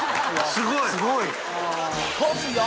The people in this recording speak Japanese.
すごい。